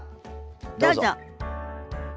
どうぞ。